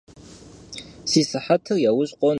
Si sıhetır yauj khone.